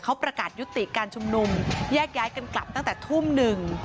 เขาประกาศยุติการชุมนุมแยกย้ายกันกลับตั้งแต่ทุ่มหนึ่ง